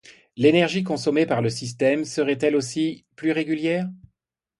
L’énergie consommée par le système serait elle aussi plus régulière.